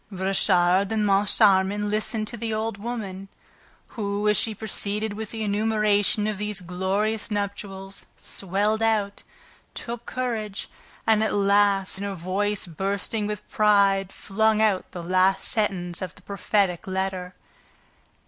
Richard and Moncharmin listened to the old woman, who, as she proceeded with the enumeration of these glorious nuptials, swelled out, took courage and, at last, in a voice bursting with pride, flung out the last sentence of the prophetic letter: 1885.